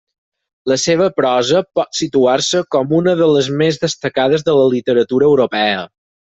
La seva prosa pot situar-se com una de les més destacades de la literatura europea.